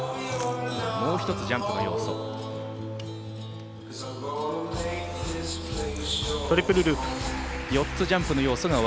もう１つジャンプの要素。